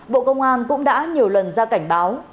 bộ công an cũng đã nhiều lần ra cảnh báo